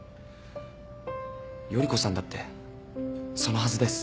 依子さんだってそのはずです。